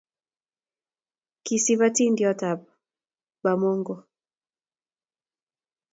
Kisipi atindonyot ab Bamongo